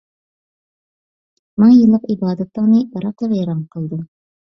مىڭ يىللىق ئىبادىتىڭنى بىراقلا ۋەيران قىلىدۇ.